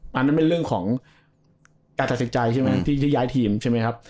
แต่อันนั้นเป็นเรื่องของการตัดสินใจที่ย้ายทีมใช่มั้ยครับ